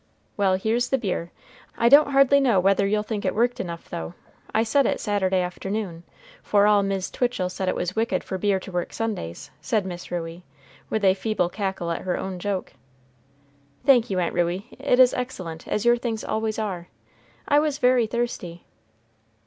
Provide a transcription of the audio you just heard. Well, here's the beer. I don't hardly know whether you'll think it worked enough, though. I set it Saturday afternoon, for all Mis' Twitchell said it was wicked for beer to work Sundays," said Miss Ruey, with a feeble cackle at her own joke. "Thank you, Aunt Ruey; it is excellent, as your things always are. I was very thirsty."